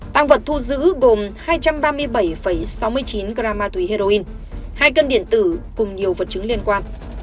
tăng vật thu giữ gồm hai trăm ba mươi bảy sáu mươi chín gram ma túy heroin hai cân điện tử cùng nhiều vật chứng liên quan